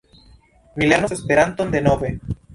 Mi lernos Esperanton denove.